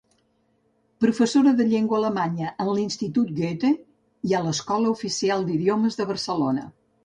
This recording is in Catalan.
Professora de llengua alemanya en l'Institut Goethe i a l'Escola Oficial d'Idiomes de Barcelona.